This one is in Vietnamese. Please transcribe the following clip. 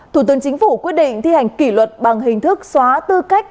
thủ tướng chính phủ quyết định thi hành kỷ luật bằng hình thức xóa tư cách